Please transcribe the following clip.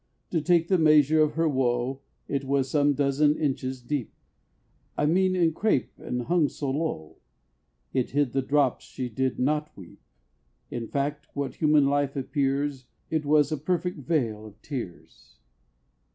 To take the measure of her woe, It was some dozen inches deep I mean in crape, and hung so low, It hid the drops she did not weep: In fact, what human life appears, It was a perfect "veil of tears."